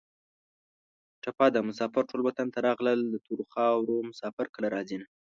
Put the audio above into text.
ټپه ده: مسافر ټول وطن ته راغلل د تورو خارو مسافر کله راځینه